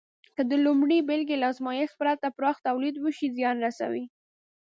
که د لومړۍ بېلګې له ازمېښت پرته پراخ تولید وشي، زیان رسوي.